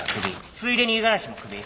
ついでに五十嵐も首。